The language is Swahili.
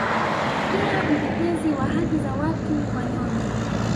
Pia mtetezi wa haki za watu wanyonge